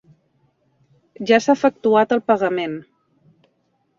Ja s'ha efectuat el pagament.